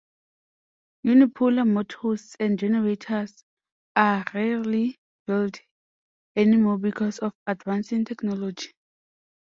Unipolar motors and generators are rarely built any more because of advancing technology.